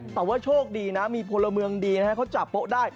แต่ว่าโชคดีนะมีพลเมืองดีนะฮะเขาจับโป๊ะได้